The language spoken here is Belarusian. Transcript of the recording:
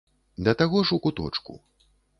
Да таго ж у куточку.